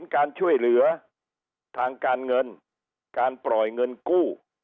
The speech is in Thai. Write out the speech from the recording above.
การช่วยเหลือทางการเงินการปล่อยเงินกู้